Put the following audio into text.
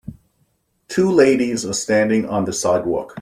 Two ladies are standing on the sidewalk.